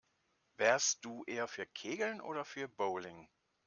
Wärst du eher für Kegeln oder für Bowling?